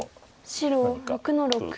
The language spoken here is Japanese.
白６の六。